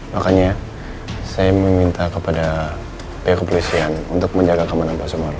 makanya saya meminta kepada pihak kepolisian untuk menjaga keamanan pasuman